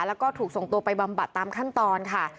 แล้วก็ถูกส่งตัวไปบำบัดตามขั้นตอนค่ะ